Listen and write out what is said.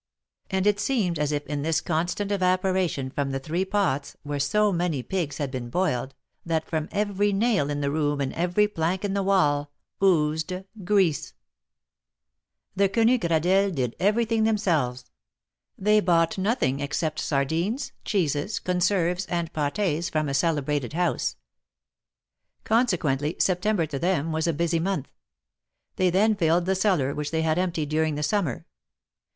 And it seemed as if in this constant evaporation from the three pots, where so many pigs had been boiled, that from every nail in the room and every plank in the wall oozed grease. The Quenu Gradelles did everything themselves. They bought nothing, except sardines, cheeses, conserves and pat^s, from a celebrated house. Consequently, September to them was a busy month. They then filled the cellar, which they had emptied during the summer.